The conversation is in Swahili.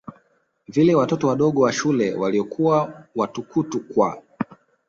vile watoto wadogo wa shule waliokuwa watukutu kwa